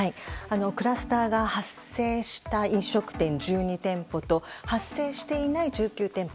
クラスターが発生した飲食店１２店舗と発生していない１９店舗